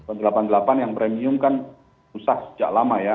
rp delapan puluh delapan yang premium kan susah sejak lama ya